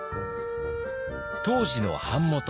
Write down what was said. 当時の版元